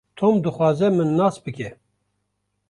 Tom dixwaze min nas bike.